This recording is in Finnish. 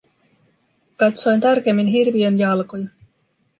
Katsoin tarkemmin hirviön jalkoja.